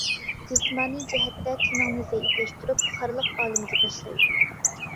جىسمانىي جەھەتتە تېنىڭنى زەئىپلەشتۈرۈپ خارلىق ئالىمىگە تاشلايدۇ.